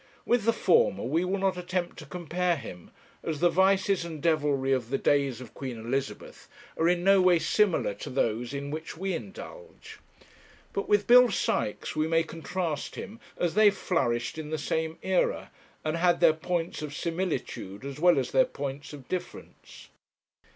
With the former we will not attempt to compare him, as the vices and devilry of the days of Queen Elizabeth are in no way similar to those in which we indulge; but with Bill Sykes we may contrast him, as they flourished in the same era, and had their points of similitude, as well as their points of difference.